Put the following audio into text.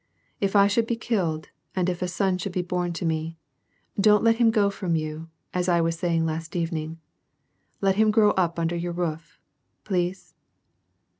" If I should be killed, and if a son should be born to me, don't let him go from you, as I was saying last evening. Let him grow up under your roof, please